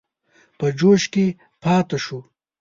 په جوش کې پاته شو.